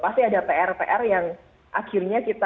pasti ada pr pr yang akhirnya kita